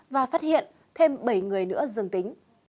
và phát hiện thêm bảy người nữa dương tính